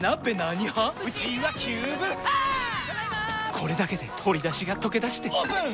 これだけで鶏だしがとけだしてオープン！